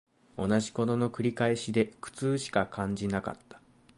同じ事の繰り返しで苦痛しか感じなかった